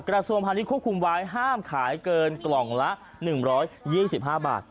กระโทรภัณฑ์ที่ควบคุมวายห้ามขายเกินกล่องละ๑๒๕บาท